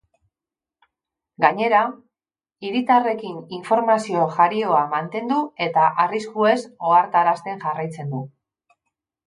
Gainera hiritarrekin informazio jarioa mantendu eta arriskuez ohartarazten jarraitzen du.